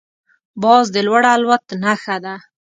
باز د لوړ الوت نښه ده